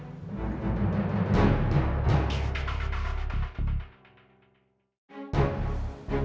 aku sekarang di rumah